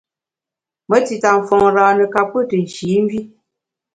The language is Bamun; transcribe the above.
Me tita mfôn râne ka pkù tù nshî mvi.